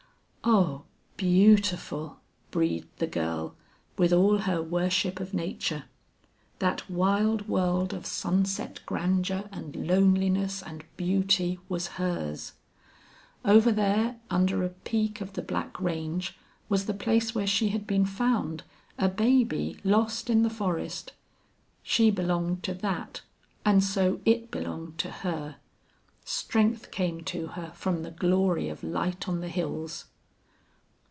"Oh, beautiful!" breathed the girl, with all her worship of nature. That wild world of sunset grandeur and loneliness and beauty was hers. Over there, under a peak of the black range, was the place where she had been found, a baby, lost in the forest. She belonged to that, and so it belonged to her. Strength came to her from the glory of light on the hills.